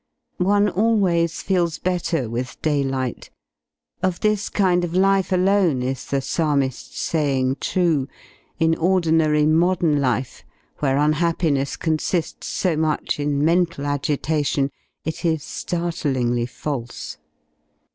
One always feels better with daylight — of this kind of life alone is the psalmi^'s saying true — in ordinary modern 65 F2 •0 2/ \ life, where unhappiness consi^ so much in w^w/^/ agitation, \ V)^ ' it is ^rtlingly false.